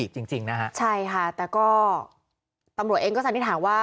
จริงจริงนะฮะใช่ค่ะแต่ก็ตำรวจเองก็สันนิษฐานว่า